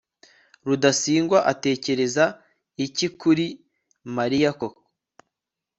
rudasingwa atekereza iki kuri mariya koko